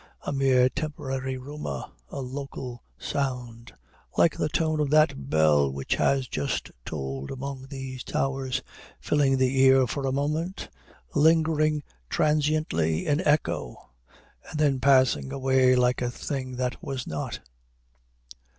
A mere temporary rumor, a local sound; like the tone of that bell which has just tolled among these towers, filling the ear for a moment lingering transiently in echo and then passing away like a thing that was not.